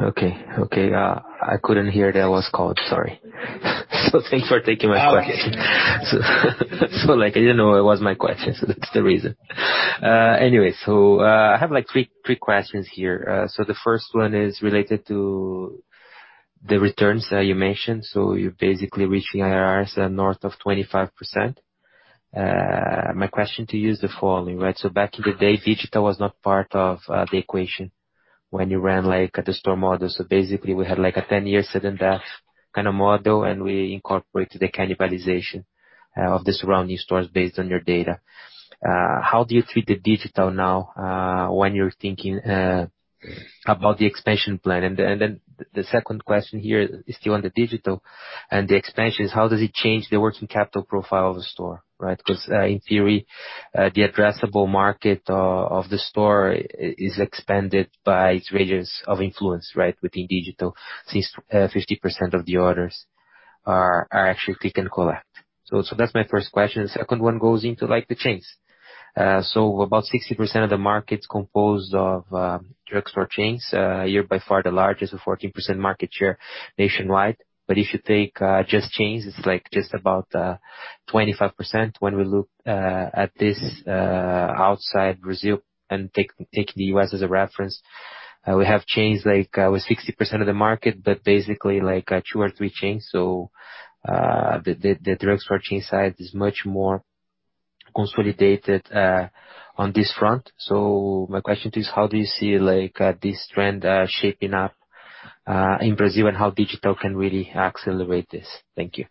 S3: Okay. I couldn't hear that I was called. Sorry. Thanks for taking my question.
S2: Okay.
S3: Like, I didn't know it was my question, so that's the reason. Anyway, I have, like, three questions here. The first one is related to the returns that you mentioned. You're basically reaching IRRs at north of 25%. My question to you is the following, right? Back in the day, digital was not part of the equation when you ran, like, the store model. Basically we had like a 10-year sudden death kinda model, and we incorporated the cannibalization of the surrounding stores based on your data. How do you treat the digital now, when you're thinking about the expansion plan? The second question here is still on the digital and the expansions. How does it change the working capital profile of the store, right? Because, in theory, the addressable market of the store is expanded by its radius of influence, right, within digital, since, 50% of the orders are actually click and collect. That's my first question. The second one goes into, like, the chains. About 60% of the market's composed of drugstore chains. You're by far the largest, a 14% market share nationwide. If you take just chains, it's, like, just about, 25%. When we look at this outside Brazil and take the U.S. as a reference, we have chains like with 60% of the market, but basically like two or three chains. The drugstore chain side is much more consolidated on this front. My question to you is how do you see, like, this trend shaping up in Brazil, and how digital can really accelerate this? Thank you.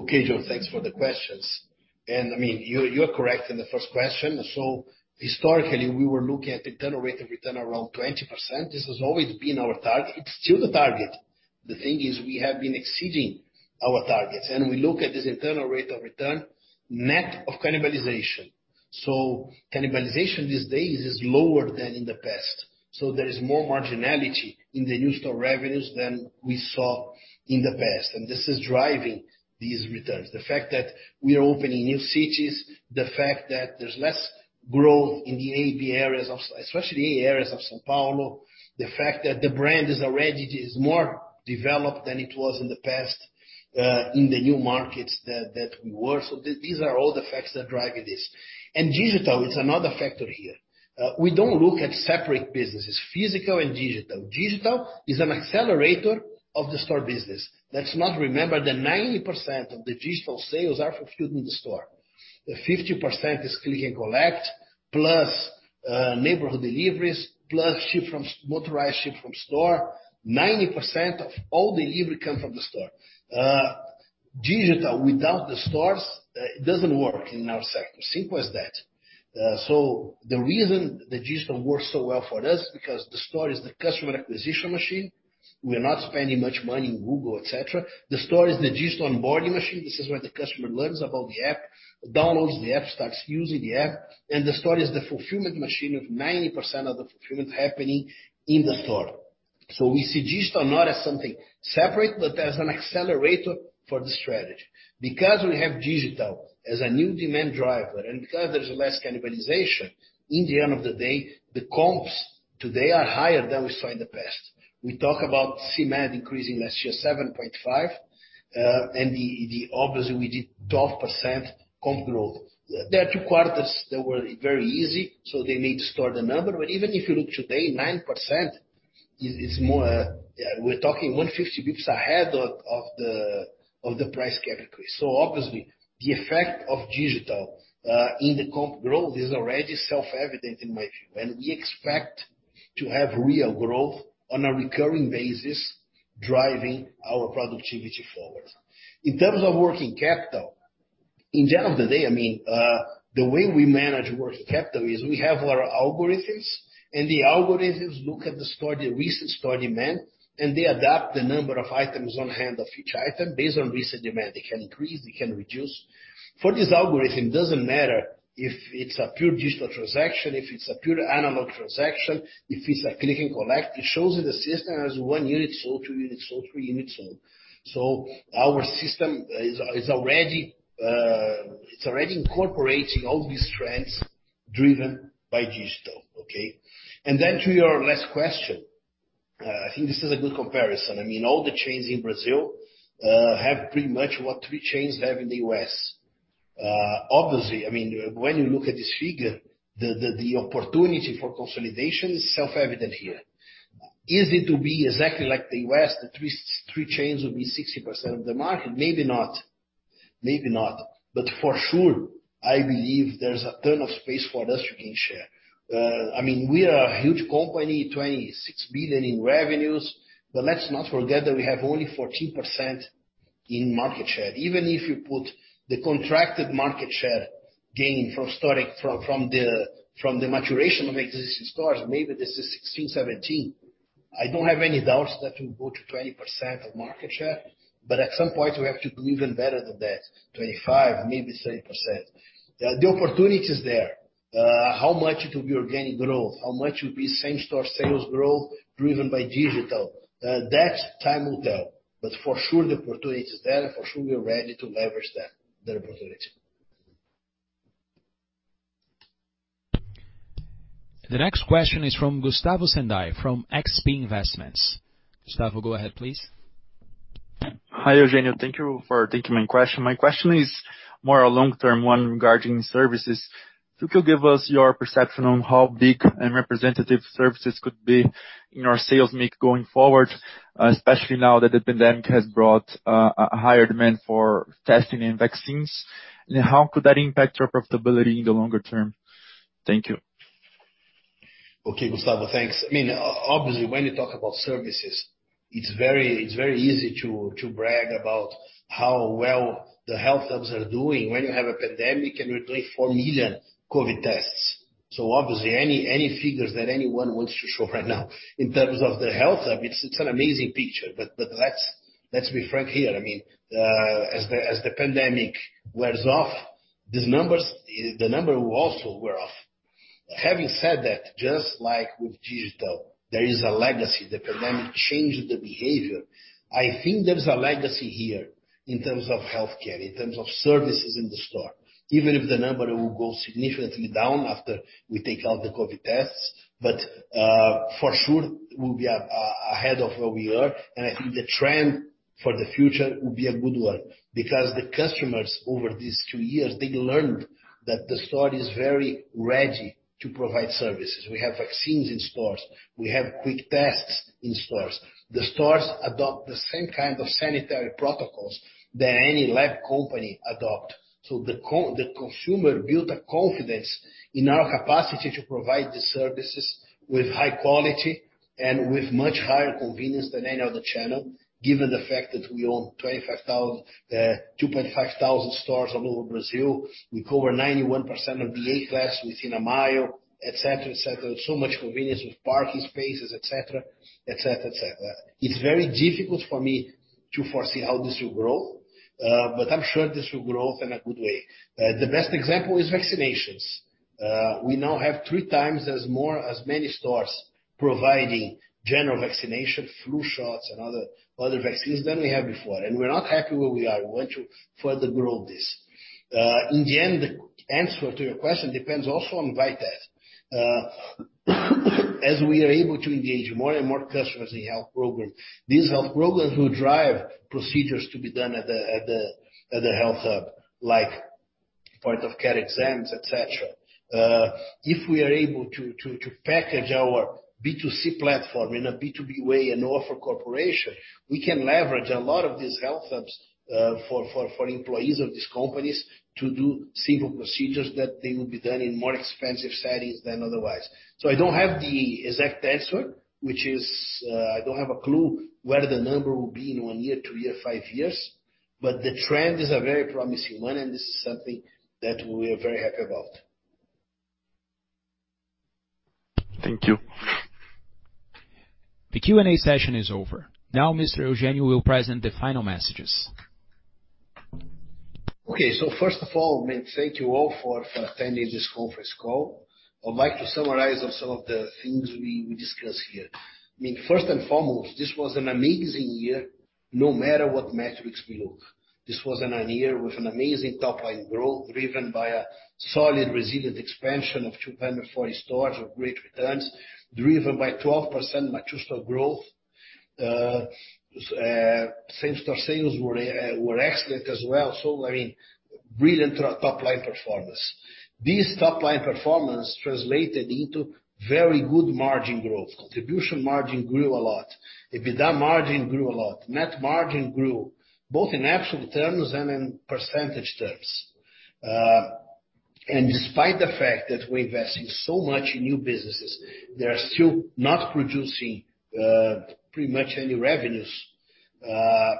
S2: Okay, Joe. Thanks for the questions. I mean, you are correct in the first question. Historically, we were looking at internal rate of return around 20%. This has always been our target. It's still the target. The thing is we have been exceeding our targets, and we look at this internal rate of return net of cannibalization. Cannibalization these days is lower than in the past, there is more marginality in the new store revenues than we saw in the past. This is driving these returns. The fact that we are opening new cities, the fact that there's less growth in the AB areas, especially in areas of São Paulo, the fact that the brand is already more developed than it was in the past in the new markets that we were. These are all the facts that are driving this. Digital is another factor here. We don't look at separate businesses, physical and digital. Digital is an accelerator of the store business. Let's remember that 90% of the digital sales are fulfilled in the store. 50% is click and collect, plus neighborhood deliveries, plus ship from store motorized, 90% of all delivery come from the store. Digital without the stores, it doesn't work in our sector. Simple as that. The reason that digital works so well for us because the store is the customer acquisition machine. We're not spending much money in Google, et cetera. The store is the digital onboarding machine. This is where the customer learns about the app, downloads the app, starts using the app, and the store is the fulfillment machine of 90% of the fulfillment happening in the store. We see digital not as something separate, but as an accelerator for the strategy. Because we have digital as a new demand driver and because there's less cannibalization, at the end of the day, the comps today are higher than we saw in the past. We talk about CMED increasing last year 7.5%, and obviously we did 12% comp growth. There are two quarters that were very easy, so they need to store the number. But even if you look today, 9% is more, we're talking 150 BPS ahead of the price category. Obviously, the effect of digital in the comp growth is already self-evident in my view, and we expect to have real growth on a recurring basis driving our productivity forward. In terms of working capital, at the end of the day, I mean, the way we manage working capital is we have our algorithms and the algorithms look at the store, the recent store demand, and they adapt the number of items on hand of each item based on recent demand. They can increase, they can reduce. For this algorithm, it doesn't matter if it's a pure digital transaction, if it's a pure analog transaction, if it's a click-and-collect, it shows in the system as one unit sold, two units sold, three units sold. Our system is already incorporating all these trends driven by digital, okay? To your last question, I think this is a good comparison. I mean, all the chains in Brazil have pretty much what three chains have in the U.S. Obviously, I mean, when you look at this figure, the opportunity for consolidation is self-evident here. Is it to be exactly like the U.S., the three chains will be 60% of the market? Maybe not, but for sure, I believe there's a ton of space for us to gain share. I mean, we are a huge company, 26 billion in revenues, but let's not forget that we have only 14% in market share. Even if you put the contracted market share gain from the maturation of existing stores, maybe this is 16, 17. I don't have any doubts that we'll go to 20% of market share. At some point, we have to do even better than that, 25, maybe 30%. The opportunity is there. How much it will be organic growth, how much will be same-store sales growth driven by digital, that time will tell. For sure, the opportunity is there, and for sure we are ready to leverage that, the opportunity.
S1: The next question is from Gustavo Senday from XP Investimentos. Gustavo, go ahead please.
S4: Raia, Eugenio De Zagottis. Thank you for taking my question. My question is more a long-term one regarding services. If you could give us your perception on how big and representative services could be in our sales mix going forward, especially now that the pandemic has brought a higher demand for testing and vaccines. How could that impact your profitability in the longer term? Thank you.
S2: Okay, Gustavo. Thanks. I mean, obviously, when you talk about services, it's very easy to brag about how well the health hubs are doing when you have a pandemic and you're doing four million COVID tests. Obviously, any figures that anyone wants to show right now in terms of the health hub, it's an amazing picture. Let's be frank here. I mean, as the pandemic wears off, these numbers, the number will also wear off. Having said that, just like with digital, there is a legacy. The pandemic changed the behavior. I think there's a legacy here in terms of healthcare, in terms of services in the store. Even if the number will go significantly down after we take out the COVID tests. For sure we'll be ahead of where we are, and I think the trend for the future will be a good one. Because the customers over these two years, they learned that the store is very ready to provide services. We have vaccines in stores. We have quick tests in stores. The stores adopt the same kind of sanitary protocols that any lab company adopt. The consumer build the confidence in our capacity to provide the services with high quality and with much higher convenience than any other channel, given the fact that we own 2,500 stores all over Brazil. We cover 91% of the A class within a mile, et cetera, et cetera. Much convenience with parking spaces, et cetera, et cetera, et cetera. It's very difficult for me to foresee how this will grow, but I'm sure this will grow in a good way. The best example is vaccinations. We now have three times as many stores providing general vaccination, flu shots, and other vaccines than we had before. We're not happy where we are. We want to further grow this. In the end, the answer to your question depends also on Vitat. As we are able to engage more and more customers in health programs, these health programs will drive procedures to be done at the health hub, like point of care exams, et cetera. If we are able to package our B2C platform in a B2B way and offer to corporations, we can leverage a lot of these health hubs for employees of these companies to do simple procedures that they will be done in more expensive settings than otherwise. I don't have the exact answer, which is I don't have a clue where the number will be in one year, two years, five years, but the trend is a very promising one, and this is something that we are very happy about.
S4: Thank you.
S1: The Q&A session is over. Now Mr. Eugenio De Zagottis will present the final messages.
S2: Okay. First of all, I mean, thank you all for attending this conference call. I'd like to summarize some of the things we discussed here. I mean, first and foremost, this was an amazing year, no matter what metrics we look. This was a year with an amazing top-line growth driven by a solid, resilient expansion of 240 stores with great returns, driven by 12% same-store growth. Same-store sales were excellent as well. I mean, brilliant top-line performance. This top-line performance translated into very good margin growth. Contribution margin grew a lot. EBITDA margin grew a lot. Net margin grew both in absolute terms and in percentage terms. Despite the fact that we invested so much in new businesses, they are still not producing pretty much any revenues. At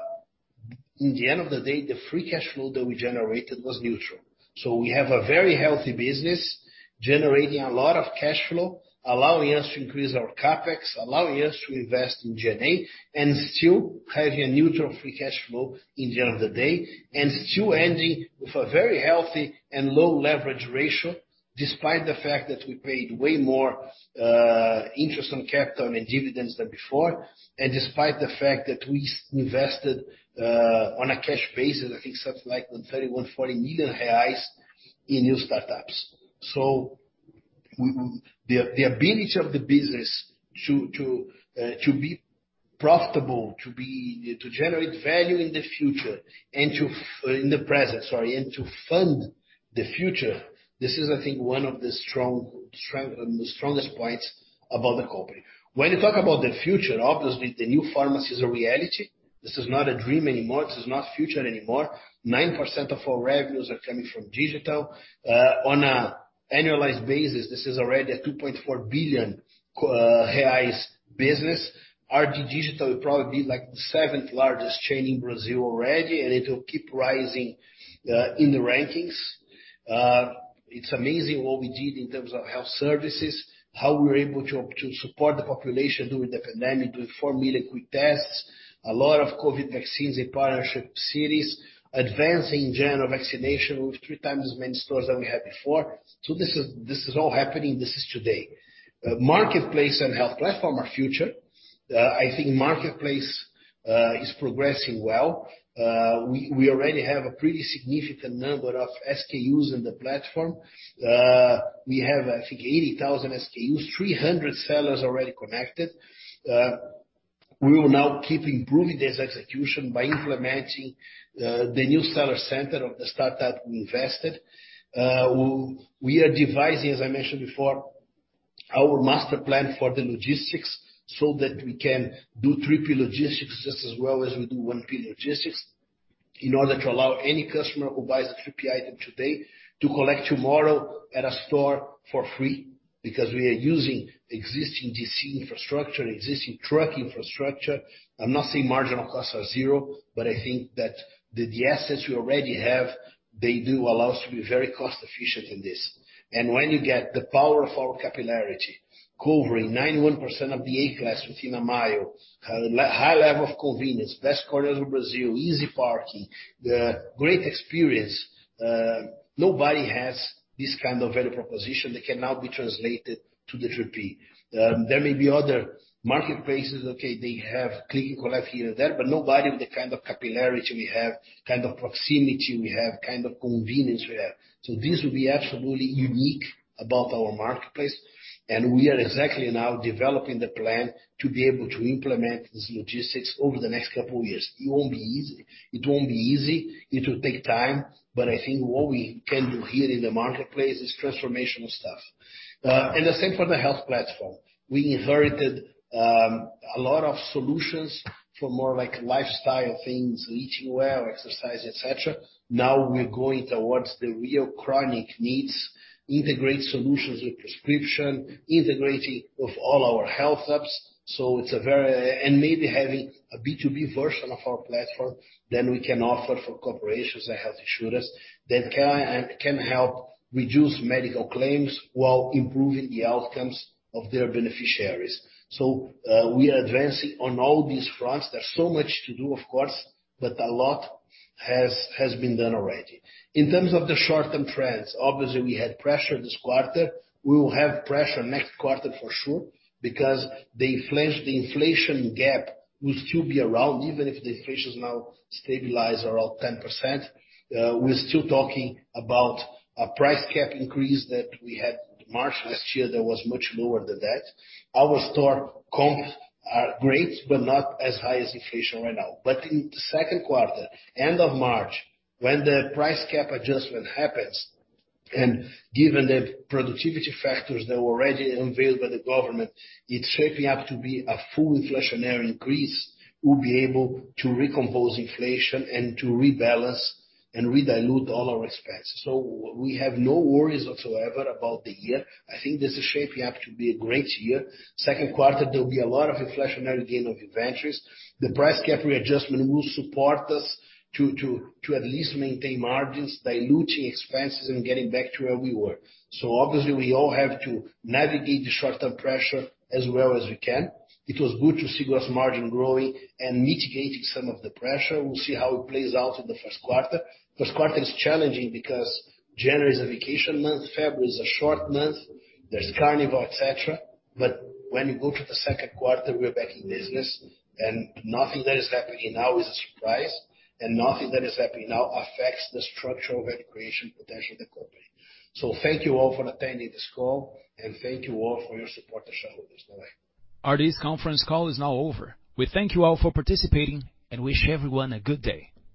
S2: the end of the day, the free cash flow that we generated was neutral. We have a very healthy business generating a lot of cash flow, allowing us to increase our CapEx, allowing us to invest in G&A, and still having a neutral free cash flow at the end of the day, and still ending with a very healthy and low leverage ratio despite the fact that we paid way more interest on capital and dividends than before, and despite the fact that we invested on a cash basis, I think something like 30 million-40 million reais in new startups. The ability of the business to be profitable, to be, to generate value in the future and in the present, sorry, and to fund the future, this is I think one of the strongest points about the company. When you talk about the future, obviously the new pharmacy is a reality. This is not a dream anymore. This is not future anymore, 9% of our revenues are coming from digital. On an annualized basis this is already a 2.4 billion reais business. RD Digital will probably be like the seventh-largest chain in Brazil already, and it will keep rising in the rankings. It's amazing what we did in terms of health services, how we were able to to support the population during the pandemic with 4 million quick tests, a lot of COVID vaccines in partnership cities, advancing general vaccination with three times as many stores than we had before. This is all happening. This is today. Marketplace and health platform are future. I think marketplace is progressing well. We already have a pretty significant number of SKUs in the platform. We have I think 80,000 SKUs, 300 sellers already connected. We will now keep improving this execution by implementing the new seller center of the startup we invested. We are devising, as I mentioned before, our master plan for the logistics so that we can do 3P logistics just as well as we do 1P logistics in order to allow any customer who buys a 3P item today to collect tomorrow at a store for free because we are using existing DC infrastructure, existing truck infrastructure. I'm not saying marginal costs are zero, but I think that the assets we already have, they do allow us to be very cost efficient in this. When you get the power of our capillarity covering 91% of the A-class within a mile, high level of convenience, best corners of Brazil, easy parking, the great experience, nobody has this kind of value proposition that can now be translated to the 3P. There may be other marketplaces, okay, they have click and collect here and there, but nobody with the kind of capillarity we have, kind of proximity we have, kind of convenience we have. This will be absolutely unique about our marketplace and we are exactly now developing the plan to be able to implement this logistics over the next couple years. It won't be easy. It will take time, but I think what we can do here in the marketplace is transformational stuff. The same for the health platform. We inherited a lot of solutions for more like lifestyle things, eating well, exercise, et cetera. Now we're going towards the real chronic needs, integrate solutions with prescription, integrating with all our health apps, so it's a very. Maybe having a B2B version of our platform that we can offer for corporations and health insurers that can help reduce medical claims while improving the outcomes of their beneficiaries. We are advancing on all these fronts. There's so much to do of course, but a lot has been done already. In terms of the short-term trends, obviously we had pressure this quarter. We will have pressure next quarter for sure because the inflation gap will still be around even if the inflation is now stabilized around 10%. We're still talking about a price cap increase that we had March last year that was much lower than that. Our store comps are great but not as high as inflation right now. In the Q2, end of March, when the price cap adjustment happens, and given the productivity factors that were already unveiled by the government, it's shaping up to be a full inflationary increase. We'll be able to recompose inflation and to rebalance and redilute all our expenses. We have no worries whatsoever about the year. I think this is shaping up to be a great year. Q2, there will be a lot of inflationary gain of inventories. The price cap readjustment will support us to at least maintain margins, diluting expenses and getting back to where we were. Obviously we all have to navigate the short-term pressure as well as we can. It was good to see gross margin growing and mitigating some of the pressure. We'll see how it plays out in the Q1. Q1 is challenging because January is a vacation month, February is a short month, there's Carnival, et cetera. When you go to the Q2, we're back in business and nothing that is happening now is a surprise and nothing that is happening now affects the structural value creation potential of the company. Thank you all for attending this call and thank you all for your support as shareholders. Bye-bye.
S1: This conference call is now over. We thank you all for participating and wish everyone a good day.